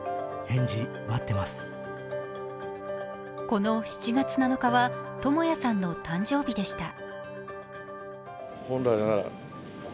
この７月７日は智也さんの誕生日でした。